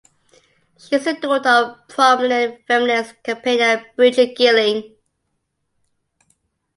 She is the daughter of prominent feminist campaigner Bridget Gilling.